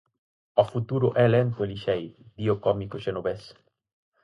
O futuro é lento e lixeiro, di o cómico xenovés.